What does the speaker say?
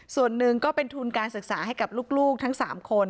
ส่วนหนึ่งก็เป็นทุนการศึกษาให้กับลูกทั้ง๓คน